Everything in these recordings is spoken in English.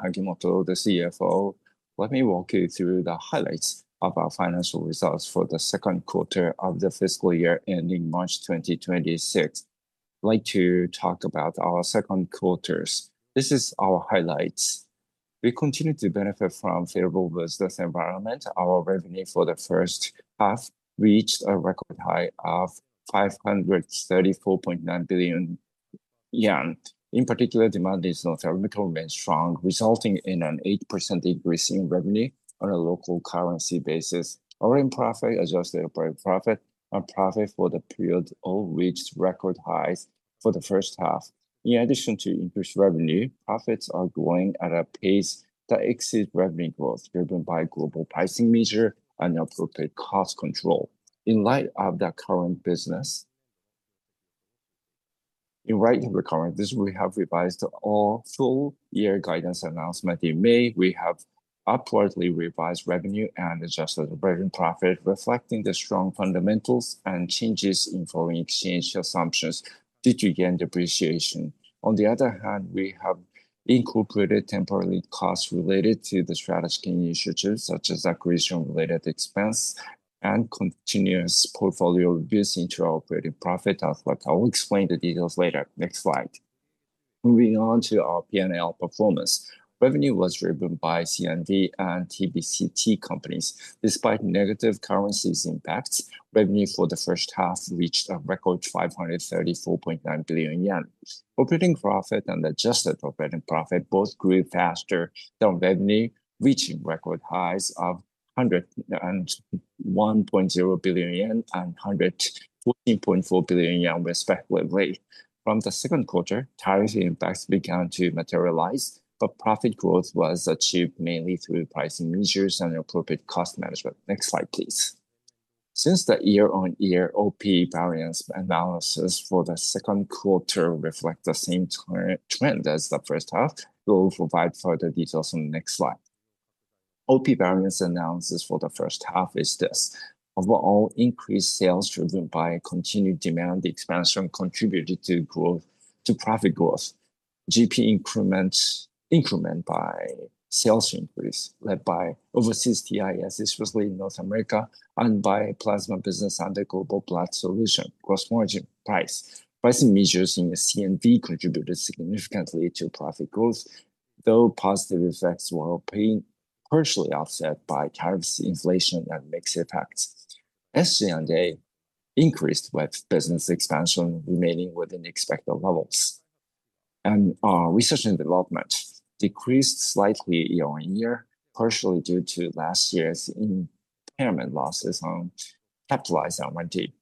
Hagimoto, the CFO. Let me walk you through the highlights of our financial results for the second quarter of the fiscal year ending March 2026. I'd like to talk about our second quarters. This is our highlights. We continue to benefit from favorable business environment. Our revenue for the first half reached a record high of 534.9 billion yen. In particular, demand in North America remained strong, resulting in an 8% increase in revenue on a local currency basis. Our improved adjusted operating profit and profit for the period all reached record highs for the first half. In addition to increased revenue, profits are growing at a pace that exceeds revenue growth driven by global pricing measures and appropriate cost control. In light of the current business, we have revised all full-year guidance announcements in May. We have upwardly revised revenue and adjusted operating profit, reflecting the strong fundamentals and changes in foreign exchange assumptions due to yen depreciation. On the other hand, we have incorporated temporary costs related to the strategy initiatives, such as accretion-related expense and continuous portfolio rebuilds into our operating profit, as I will explain the details later. Next slide. Moving on to our P&L performance. Revenue was driven by C&D and TBCT companies. Despite negative currency impacts, revenue for the first half reached a record 534.9 billion yen. Operating profit and adjusted operating profit both grew faster than revenue, reaching record highs of 101.0 billion yen and 114.4 billion yen, respectively. From the second quarter, tariff impacts began to materialize, but profit growth was achieved mainly through pricing measures and appropriate cost management. Next slide, please. Since the year-on-year OP variance analysis for the second quarter reflects the same trend as the first half, we will provide further details on the next slide. OP variance analysis for the first half is this: overall increased sales driven by continued demand expansion contributed to profit growth, GP increment by sales increase led by overseas TIS, especially in North America, and by plasma business under Global Platform Solution gross margin price. Pricing measures in C&D contributed significantly to profit growth, though positive effects were partially offset by tariffs, inflation, and mixed effects. SG&A increased with business expansion remaining within expected levels. Research and development decreased slightly year on year, partially due to last year's impairment losses on capitalized R&D.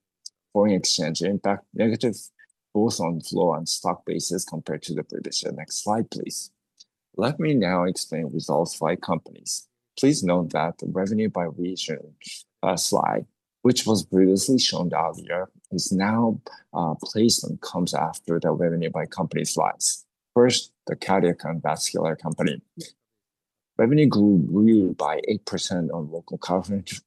Foreign exchange impact negative both on floor and stock basis compared to the previous year. Next slide, please. Let me now explain results by companies. Please note that the revenue by region slide, which was previously shown earlier, is now placed and comes after the revenue by company slides. First, the Cardiac and Vascular Company. Revenue grew by 8% on local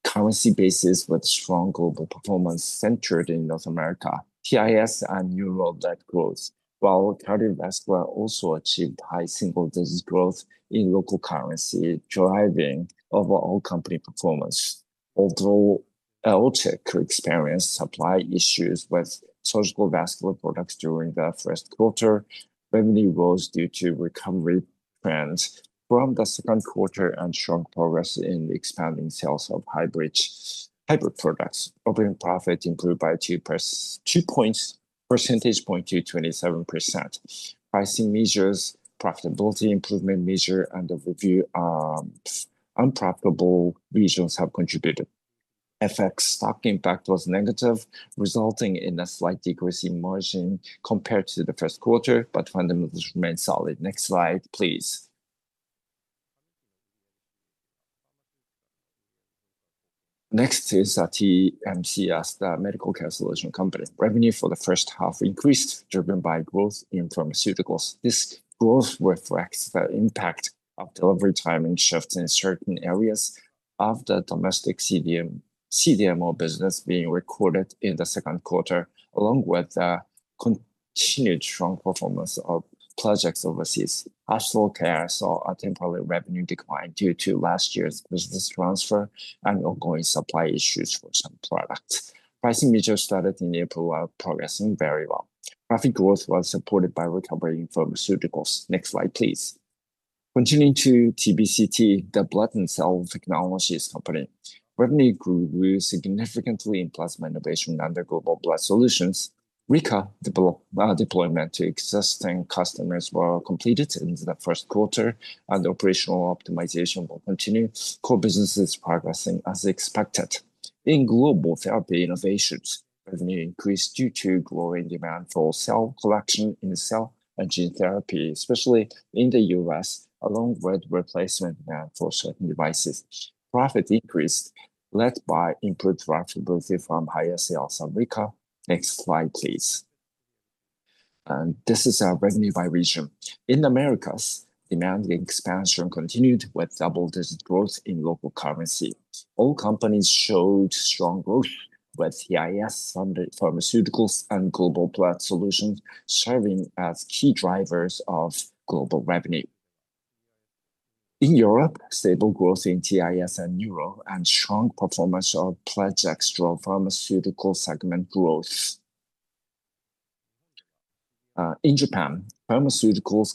currency basis with strong global performance centered in North America. TIS and UroLet growth, while cardiovascular also achieved high single-digit growth in local currency, driving overall company performance. Although LTECH experienced supply issues with surgical vascular products during the first quarter, revenue rose due to recovery trends from the second quarter and strong progress in expanding sales of hybrid products. Opening profit improved by two percentage points to 27%. Pricing measures, profitability improvement measure, and the review of unprofitable regions have contributed. FX stock impact was negative, resulting in a slight decrease in margin compared to the first quarter, but fundamentals remained solid. Next slide, please. Next is TMCS, the Medical Care Solutions Company. Revenue for the first half increased driven by growth in pharmaceuticals. This growth reflects the impact of delivery time and shifts in certain areas of the domestic CDMO business being recorded in the second quarter, along with the continued strong performance of projects overseas. Hospital care saw a temporary revenue decline due to last year's business transfer and ongoing supply issues for some products. Pricing measures started in April while progressing very well. Profit growth was supported by recovery in pharmaceuticals. Next slide, please. Continuing to TBCT, the blood and cell technologies company. Revenue grew significantly in plasma innovation under Global Blood Solutions. RICA deployment to existing customers was completed in the first quarter, and operational optimization will continue. Core business is progressing as expected. In global therapy innovations, revenue increased due to growing demand for cell collection in cell and gene therapy, especially in the US, along with replacement demand for certain devices. Profit increased led by improved profitability from higher sales on RICA. Next slide, please. This is our revenue by region. In the Americas, demand expansion continued with double-digit growth in local currency. All companies showed strong growth with TIS, pharmaceuticals, and Global Blood Solutions serving as key drivers of global revenue. In Europe, stable growth in TIS and UroLet and strong performance of projects drove pharmaceutical segment growth. In Japan, pharmaceuticals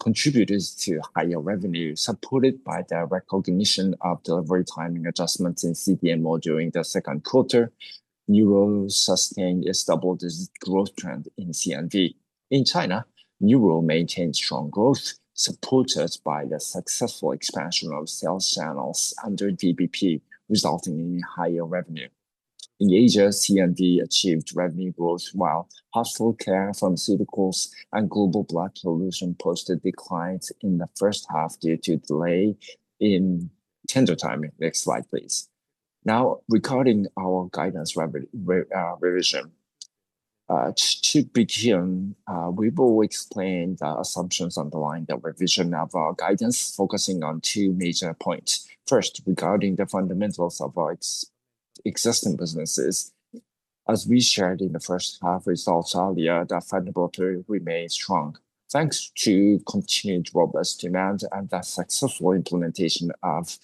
contributed to higher revenue, supported by the recognition of delivery timing adjustments in CDMO during the second quarter. UroLet sustained its double-digit growth trend in C&D. In China, UroLet maintained strong growth, supported by the successful expansion of sales channels under GBP, resulting in higher revenue. In Asia, C&D achieved revenue growth, while hospital care, pharmaceuticals, and Global Blood Solutions posted declines in the first half due to delay in tender timing. Next slide, please. Now, regarding our guidance revision, to begin, we will explain the assumptions underlying the revision of our guidance, focusing on two major points. First, regarding the fundamentals of our existing businesses, as we shared in the first half results earlier, the fundamentals remain strong. Thanks to continued robust demand and the successful implementation of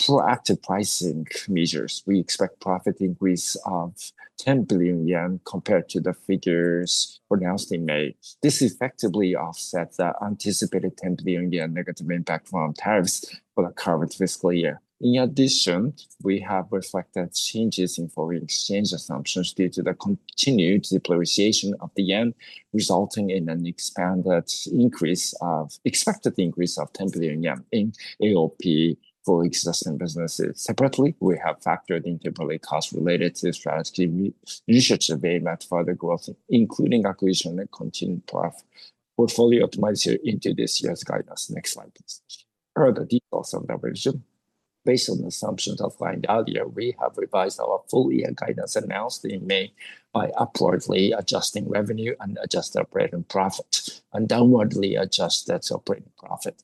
proactive pricing measures, we expect profit increase of 10 billion yen compared to the figures announced in May. This effectively offsets the anticipated 10 billion yen negative impact from tariffs for the current fiscal year. In addition, we have reflected changes in foreign exchange assumptions due to the continued depreciation of the yen, resulting in an expected increase of 10 billion yen in AOP for existing businesses. Separately, we have factored in temporary costs related to strategy initiatives that further growth, including accretion and continued profit portfolio optimization into this year's guidance. Next slide, please. Further details of the revision. Based on the assumptions outlined earlier, we have revised our full-year guidance announced in May by upwardly adjusting revenue and adjusted operating profit and downwardly adjusted operating profit.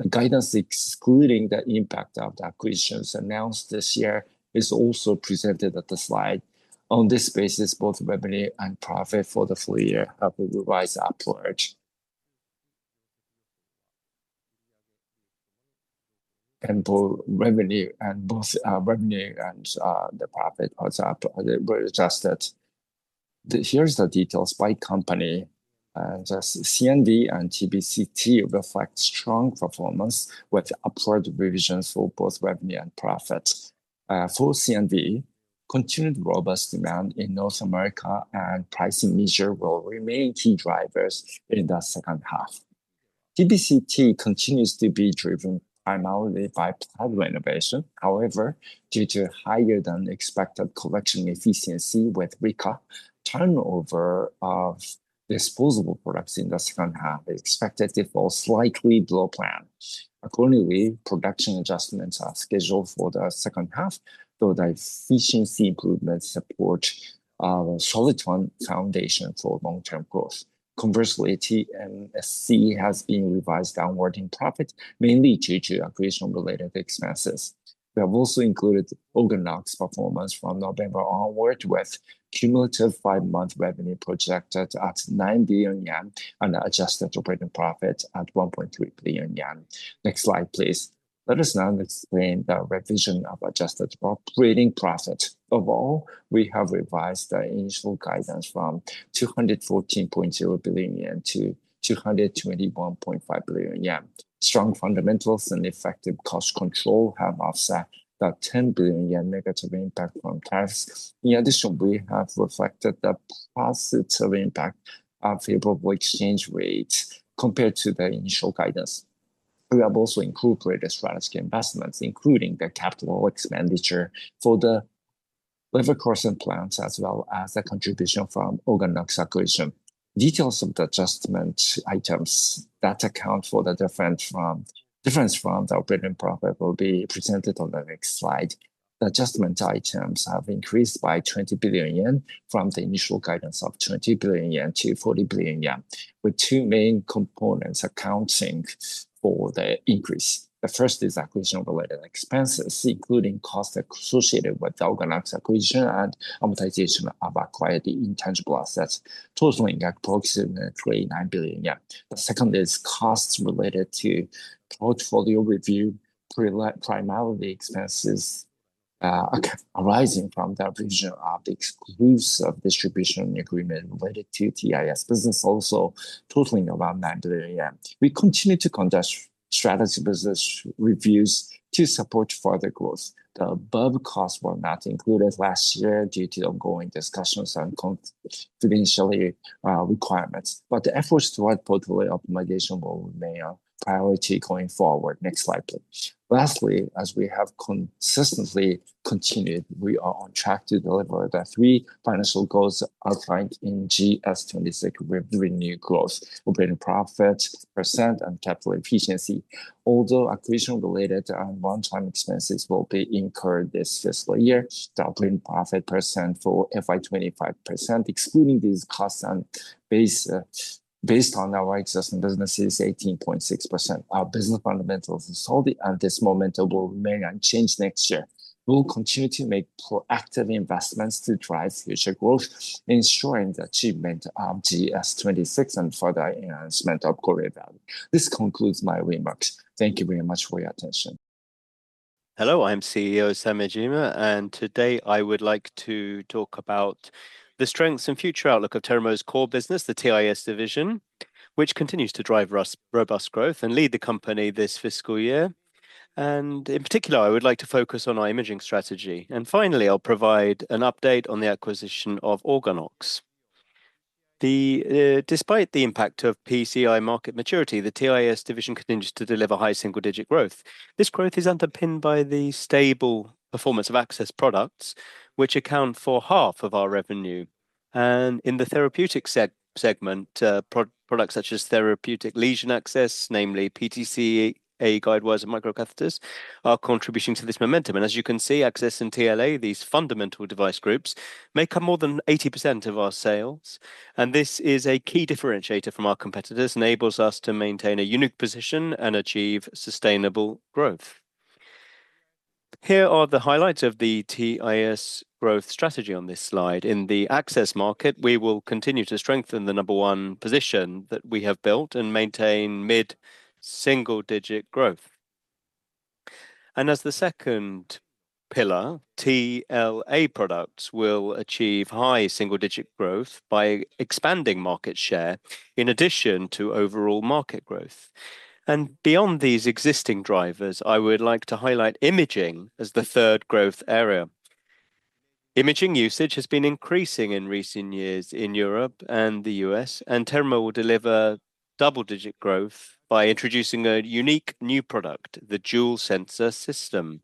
The guidance excluding the impact of the accretions announced this year is also presented at the slide. On this basis, both revenue and profit for the full year have been revised upward. Both revenue and the profit were adjusted. Here are the details by company. C&D and TBCT reflect strong performance with upward revisions for both revenue and profit. For C&D, continued robust demand in North America and pricing measures will remain key drivers in the second half. TBCT continues to be driven primarily by plasma innovation. However, due to higher-than-expected collection efficiency with RICA, turnover of disposable products in the second half is expected to fall slightly below plan. Accordingly, production adjustments are scheduled for the second half, though the efficiency improvements support a solid foundation for long-term growth. Conversely, TMSC has been revised downward in profit, mainly due to accretion-related expenses. We have also included Organox's performance from November onward, with cumulative five-month revenue projected at 9 billion yen and adjusted operating profit at 1.3 billion yen. Next slide, please. Let us now explain the revision of adjusted operating profit. Overall, we have revised the initial guidance from 214.0 billion yen to 221.5 billion yen. Strong fundamentals and effective cost control have offset the 10 billion yen negative impact from tariffs. In addition, we have reflected the positive impact of favorable exchange rates compared to the initial guidance. We have also incorporated strategy investments, including the capital expenditure for the river crossing plants, as well as the contribution from Organox's accretion. Details of the adjustment items that account for the difference from the operating profit will be presented on the next slide. The adjustment items have increased by 20 billion yen from the initial guidance of 20 billion yen to 40 billion yen, with two main components accounting for the increase. The first is accretion-related expenses, including costs associated with Organox's accretion and amortization of acquired intangible assets, totaling approximately 9 billion. The second is costs related to portfolio review, primarily expenses arising from the revision of the exclusive distribution agreement related to TIS business, also totaling around 9 billion yen. We continue to conduct strategy business reviews to support further growth. The above costs were not included last year due to ongoing discussions and confidentiality requirements, but the efforts toward portfolio optimization will remain a priority going forward. Next slide, please. Lastly, as we have consistently continued, we are on track to deliver the three financial goals outlined in GS26: revenue growth, operating profit %, and capital efficiency. Although accretion-related and runtime expenses will be incurred this fiscal year, the operating profit % for FY2025, excluding these costs and based on our existing businesses, is 18.6%. Our business fundamentals are solid, and this momentum will remain unchanged next year. We will continue to make proactive investments to drive future growth, ensuring the achievement of GS26 and further enhancement of career value. This concludes my remarks. Thank you very much for your attention. Hello, I'm CEO Samejima, and today I would like to talk about the strengths and future outlook of Terumo's core business, the TIS division, which continues to drive robust growth and lead the company this fiscal year. In particular, I would like to focus on our imaging strategy. Finally, I'll provide an update on the acquisition of Organox. Despite the impact of PCI market maturity, the TIS division continues to deliver high single-digit growth. This growth is underpinned by the stable performance of access products, which account for half of our revenue. In the therapeutic segment, products such as therapeutic lesion access, namely PTCA guidewires and microcatheters, are contributing to this momentum. As you can see, access and TLA, these fundamental device groups, make up more than 80% of our sales. This is a key differentiator from our competitors, enables us to maintain a unique position and achieve sustainable growth. Here are the highlights of the TIS growth strategy on this slide. In the access market, we will continue to strengthen the number one position that we have built and maintain mid-single-digit growth. As the second pillar, TLA products will achieve high single-digit growth by expanding market share in addition to overall market growth. Beyond these existing drivers, I would like to highlight imaging as the third growth area. Imaging usage has been increasing in recent years in Europe and the US, and Terumo will deliver double-digit growth by introducing a unique new product, the Dual Sensor System.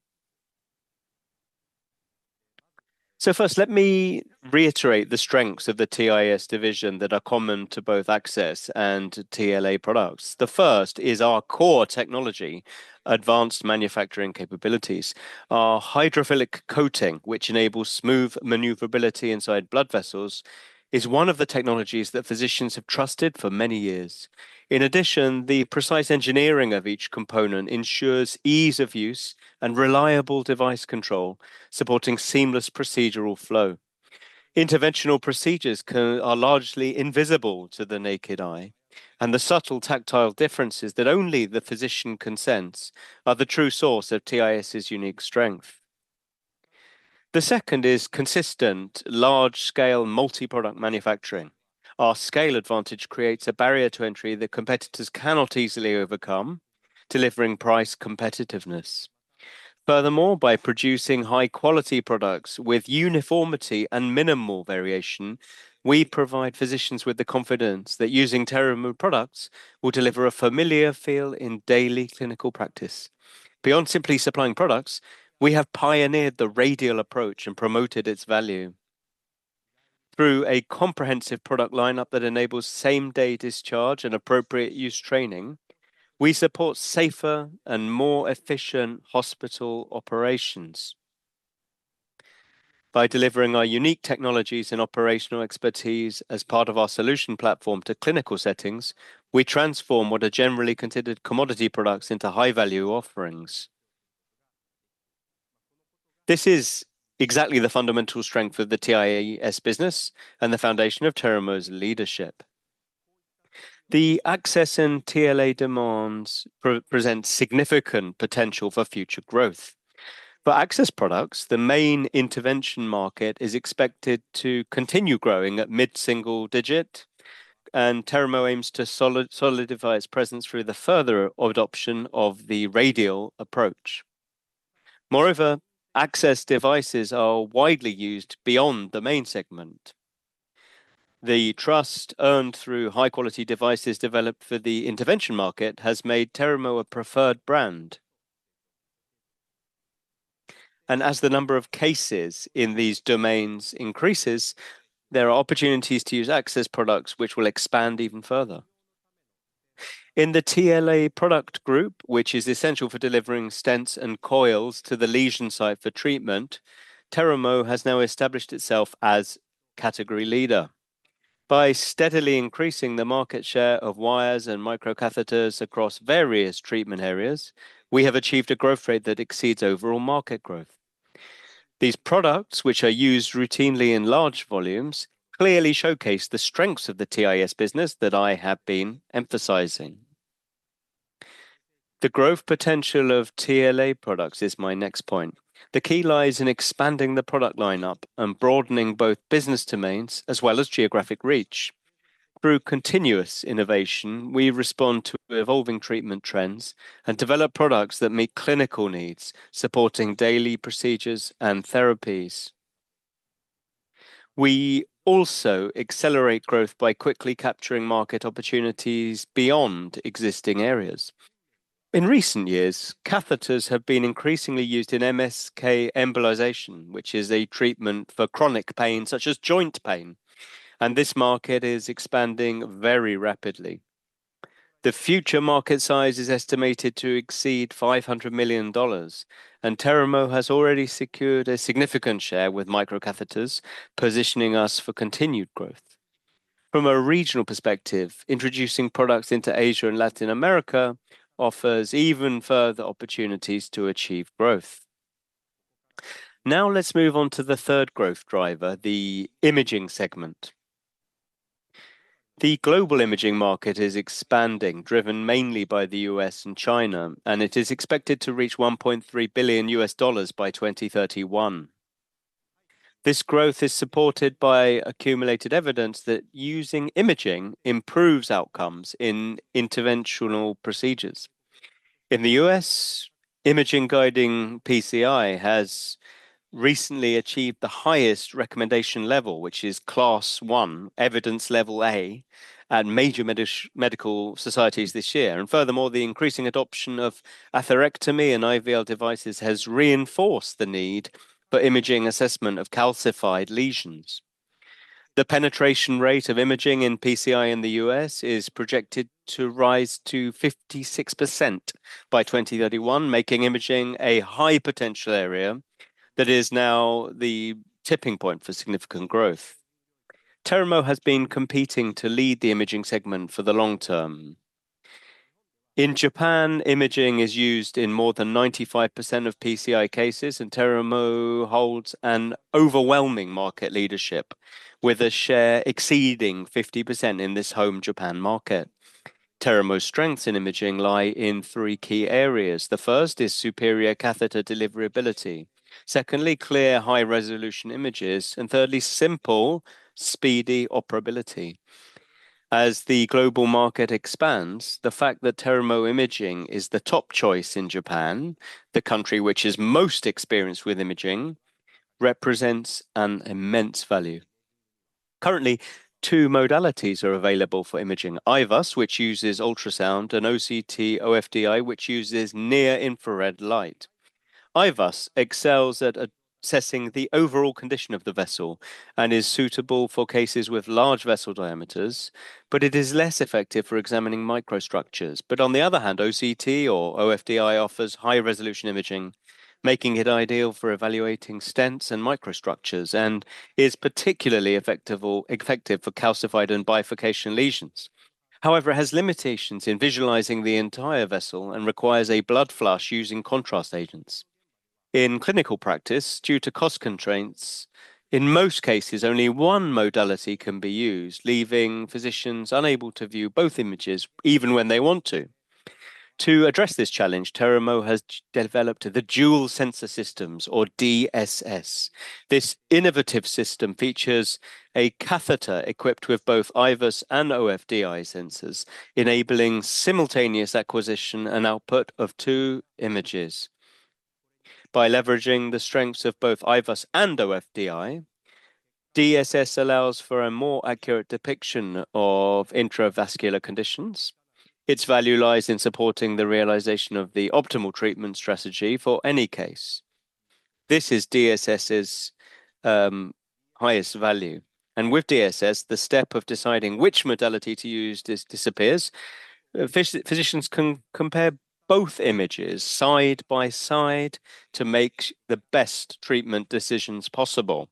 First, let me reiterate the strengths of the TIS division that are common to both access and TLA products. The first is our core technology, advanced manufacturing capabilities. Our hydrophilic coating, which enables smooth maneuverability inside blood vessels, is one of the technologies that physicians have trusted for many years. In addition, the precise engineering of each component ensures ease of use and reliable device control, supporting seamless procedural flow. Interventional procedures are largely invisible to the naked eye, and the subtle tactile differences that only the physician can sense are the true source of TIS's unique strength. The second is consistent, large-scale multi-product manufacturing. Our scale advantage creates a barrier to entry that competitors cannot easily overcome, delivering price competitiveness. Furthermore, by producing high-quality products with uniformity and minimal variation, we provide physicians with the confidence that using Terumo products will deliver a familiar feel in daily clinical practice. Beyond simply supplying products, we have pioneered the radial approach and promoted its value. Through a comprehensive product lineup that enables same-day discharge and appropriate use training, we support safer and more efficient hospital operations. By delivering our unique technologies and operational expertise as part of our solution platform to clinical settings, we transform what are generally considered commodity products into high-value offerings. This is exactly the fundamental strength of the TIS business and the foundation of Terumo's leadership. The access and TLA demands present significant potential for future growth. For access products, the main intervention market is expected to continue growing at mid-single digit, and Terumo aims to solidify its presence through the further adoption of the radial approach. Moreover, access devices are widely used beyond the main segment. The trust earned through high-quality devices developed for the intervention market has made Terumo a preferred brand. As the number of cases in these domains increases, there are opportunities to use access products, which will expand even further. In the TLA product group, which is essential for delivering stents and coils to the lesion site for treatment, Terumo has now established itself as category leader. By steadily increasing the market share of wires and microcatheters across various treatment areas, we have achieved a growth rate that exceeds overall market growth. These products, which are used routinely in large volumes, clearly showcase the strengths of the TIS business that I have been emphasizing. The growth potential of TLA products is my next point. The key lies in expanding the product lineup and broadening both business domains as well as geographic reach. Through continuous innovation, we respond to evolving treatment trends and develop products that meet clinical needs, supporting daily procedures and therapies. We also accelerate growth by quickly capturing market opportunities beyond existing areas. In recent years, catheters have been increasingly used in MSK embolization, which is a treatment for chronic pain such as joint pain, and this market is expanding very rapidly. The future market size is estimated to exceed $500 million, and Terumo has already secured a significant share with microcatheters, positioning us for continued growth. From a regional perspective, introducing products into Asia and Latin America offers even further opportunities to achieve growth. Now let's move on to the third growth driver, the imaging segment. The global imaging market is expanding, driven mainly by the U.S. and China, and it is expected to reach $1.3 billion USD by 2031. This growth is supported by accumulated evidence that using imaging improves outcomes in interventional procedures. In the U.S., imaging guiding PCI has recently achieved the highest recommendation level, which is Class 1, evidence level A, at major medical societies this year. Furthermore, the increasing adoption of atherectomy and IVL devices has reinforced the need for imaging assessment of calcified lesions. The penetration rate of imaging in PCI in the U.S. is projected to rise to 56% by 2031, making imaging a high potential area that is now the tipping point for significant growth. Terumo has been competing to lead the imaging segment for the long term. In Japan, imaging is used in more than 95% of PCI cases, and Terumo holds an overwhelming market leadership, with a share exceeding 50% in this home Japan market. Terumo's strengths in imaging lie in three key areas. The first is superior catheter deliverability. Secondly, clear high-resolution images. Thirdly, simple, speedy operability. As the global market expands, the fact that Terumo Imaging is the top choice in Japan, the country which is most experienced with imaging, represents an immense value. Currently, two modalities are available for imaging: IVUS, which uses ultrasound, and OCT OFDI, which uses near-infrared light. IVUS excels at assessing the overall condition of the vessel and is suitable for cases with large vessel diameters, but it is less effective for examining microstructures. On the other hand, OCT or OFDI offers high-resolution imaging, making it ideal for evaluating stents and microstructures and is particularly effective for calcified and bifurcation lesions. However, it has limitations in visualizing the entire vessel and requires a blood flush using contrast agents. In clinical practice, due to cost constraints, in most cases, only one modality can be used, leaving physicians unable to view both images even when they want to. To address this challenge, Terumo has developed the dual sensor systems, or DSS. This innovative system features a catheter equipped with both IVUS and OFDI sensors, enabling simultaneous acquisition and output of two images. By leveraging the strengths of both IVUS and OFDI, DSS allows for a more accurate depiction of intravascular conditions. Its value lies in supporting the realization of the optimal treatment strategy for any case. This is DSS's highest value. With DSS, the step of deciding which modality to use disappears. Physicians can compare both images side by side to make the best treatment decisions possible.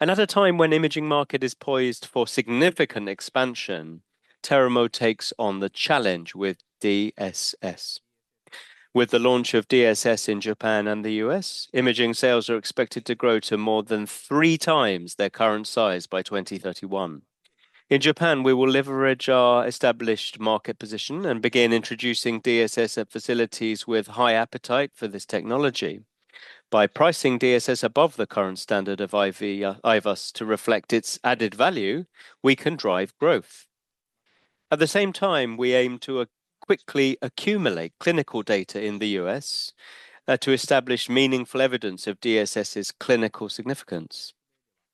At a time when the imaging market is poised for significant expansion, Terumo takes on the challenge with DSS. With the launch of DSS in Japan and the US, imaging sales are expected to grow to more than three times their current size by 2031. In Japan, we will leverage our established market position and begin introducing DSS at facilities with high appetite for this technology. By pricing DSS above the current standard of IVUS to reflect its added value, we can drive growth. At the same time, we aim to quickly accumulate clinical data in the U.S. to establish meaningful evidence of DSS's clinical significance.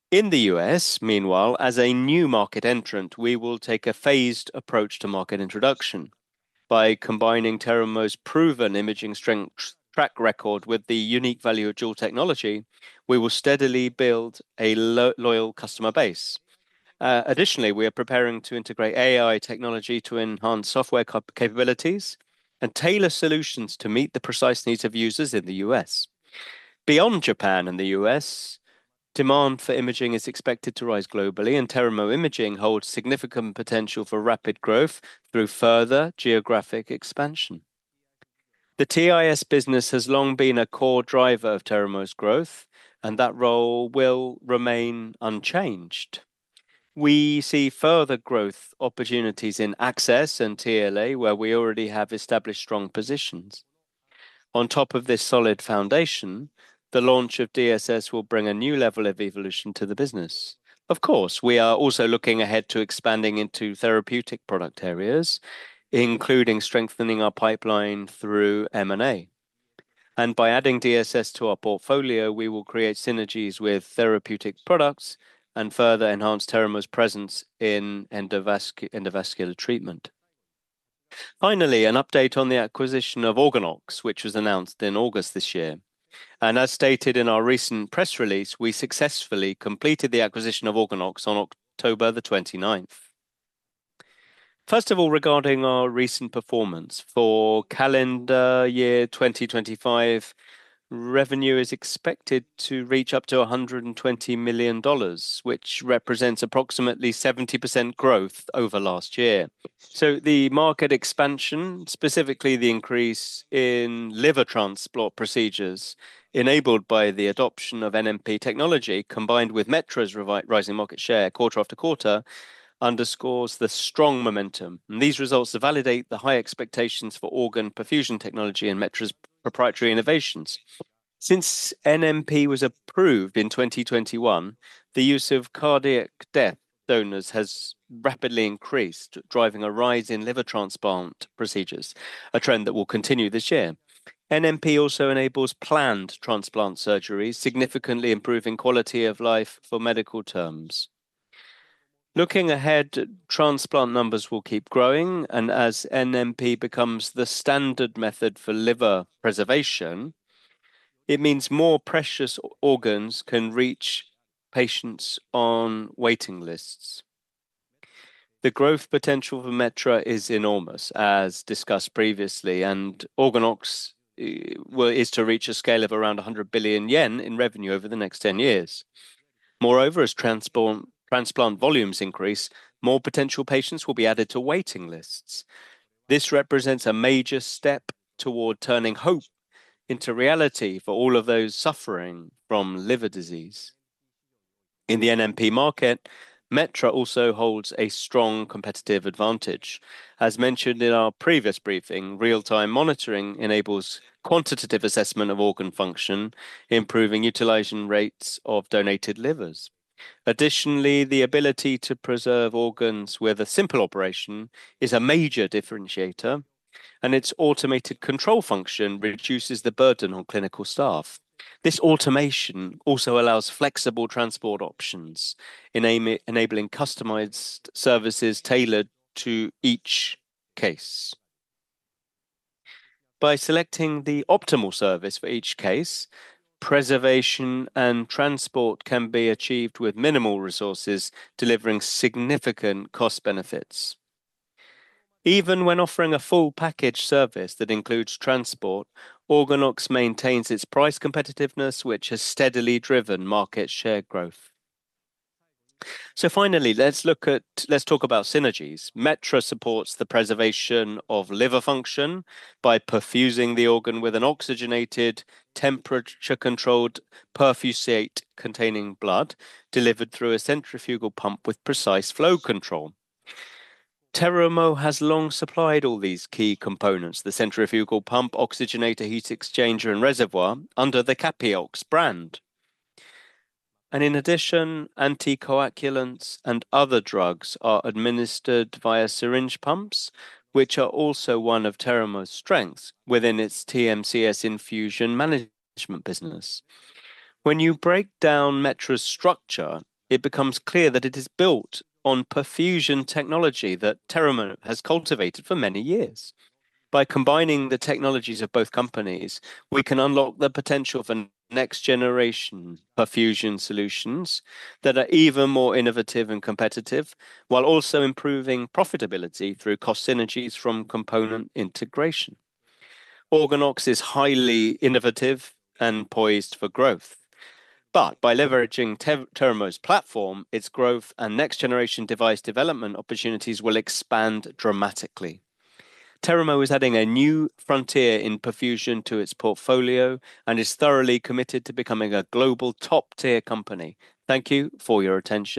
In the U.S., meanwhile, as a new market entrant, we will take a phased approach to market introduction. By combining Terumo's proven imaging strength track record with the unique value of dual technology, we will steadily build a loyal customer base. Additionally, we are preparing to integrate AI technology to enhance software capabilities and tailor solutions to meet the precise needs of users in the U.S. Beyond Japan and the US, demand for imaging is expected to rise globally, and Terumo Imaging holds significant potential for rapid growth through further geographic expansion. The TIS business has long been a core driver of Terumo's growth, and that role will remain unchanged. We see further growth opportunities in access and TLA, where we already have established strong positions. On top of this solid foundation, the launch of DSS will bring a new level of evolution to the business. Of course, we are also looking ahead to expanding into therapeutic product areas, including strengthening our pipeline through M&A. By adding DSS to our portfolio, we will create synergies with therapeutic products and further enhance Terumo's presence in endovascular treatment. Finally, an update on the acquisition of Organox, which was announced in August this year. As stated in our recent press release, we successfully completed the acquisition of Organox on October 29th. First of all, regarding our recent performance, for calendar year 2025, revenue is expected to reach up to $120 million, which represents approximately 70% growth over last year. The market expansion, specifically the increase in liver transplant procedures enabled by the adoption of NMP technology, combined with Metra's rising market share quarter after quarter, underscores the strong momentum. These results validate the high expectations for organ perfusion technology and Metra's proprietary innovations. Since NMP was approved in 2021, the use of cardiac death donors has rapidly increased, driving a rise in liver transplant procedures, a trend that will continue this year. NMP also enables planned transplant surgeries, significantly improving quality of life for medical terms. Looking ahead, transplant numbers will keep growing, and as NMP becomes the standard method for liver preservation, it means more precious organs can reach patients on waiting lists. The growth potential for Metra is enormous, as discussed previously, and Organox is to reach a scale of around 100 billion yen in revenue over the next 10 years. Moreover, as transplant volumes increase, more potential patients will be added to waiting lists. This represents a major step toward turning hope into reality for all of those suffering from liver disease. In the NMP market, Metra also holds a strong competitive advantage. As mentioned in our previous briefing, real-time monitoring enables quantitative assessment of organ function, improving utilization rates of donated livers. Additionally, the ability to preserve organs with a simple operation is a major differentiator, and its automated control function reduces the burden on clinical staff. This automation also allows flexible transport options, enabling customized services tailored to each case. By selecting the optimal service for each case, preservation and transport can be achieved with minimal resources, delivering significant cost benefits. Even when offering a full package service that includes transport, Organox maintains its price competitiveness, which has steadily driven market share growth. Finally, let's look at, let's talk about synergies. Metra supports the preservation of liver function by perfusing the organ with an oxygenated, temperature-controlled perfusate-containing blood delivered through a centrifugal pump with precise flow control. Terumo has long supplied all these key components: the centrifugal pump, oxygenator, heat exchanger, and reservoir under the Capiox brand. In addition, anticoagulants and other drugs are administered via syringe pumps, which are also one of Terumo's strengths within its TMCS infusion management business. When you break down Metra's structure, it becomes clear that it is built on perfusion technology that Terumo has cultivated for many years. By combining the technologies of both companies, we can unlock the potential for next-generation perfusion solutions that are even more innovative and competitive, while also improving profitability through cost synergies from component integration. Organox is highly innovative and poised for growth. By leveraging Terumo's platform, its growth and next-generation device development opportunities will expand dramatically. Terumo is adding a new frontier in perfusion to its portfolio and is thoroughly committed to becoming a global top-tier company. Thank you for your attention.